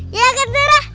iya kan sarah